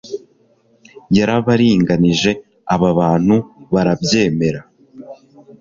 Yarabaringanije aba bantu barabyemera